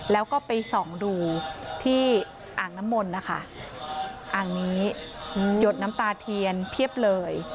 แล้วก็ไปส่องดูที่อ่างน้ำมนต์นะคะอ่างนี้หยดน้ำตาเทียนเพียบเลย